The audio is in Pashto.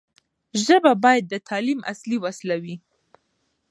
ژبه باید د تعلیم اصلي وسیله وي.